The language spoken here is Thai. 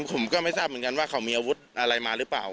ผมก็ไม่ทราบเหมือนกันว่าเขามีอาวุธอะไรมาหรือเปล่า